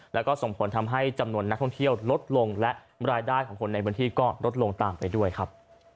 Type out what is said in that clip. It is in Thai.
แล้วก็ส่งผลทำให้จำนวนนักท่องเที่ยวลดลงและรายได้ของคนในพื้นที่ก็ลดลงตามไปด้วยครับ